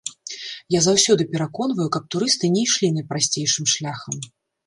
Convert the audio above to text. Я заўсёды пераконваю, каб турысты не ішлі найпрасцейшым шляхам.